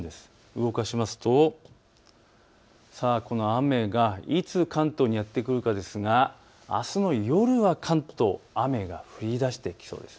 動かしますと雨がいつ関東にやって来るかですがあすの夜は関東、雨が降りだしてきそうです。